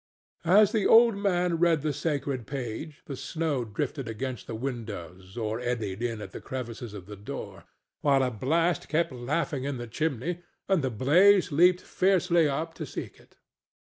As the old man read the sacred page the snow drifted against the windows or eddied in at the crevices of the door, while a blast kept laughing in the chimney and the blaze leaped fiercely up to seek it.